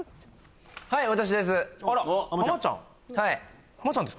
はい私です